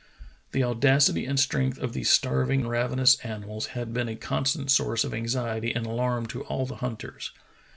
The audacity and strength of these starving, raven ous animals had been a constant source of anxiety and alarm to all the hunters.